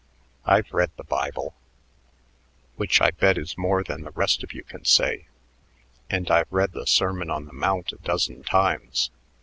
I've read the Bible, which I bet is more than the rest of you can say, and I've read the Sermon on the Mount a dozen times.